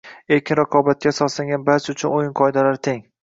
Erkin raqobatga asoslangan, barcha uchun o‘yin qoidalari teng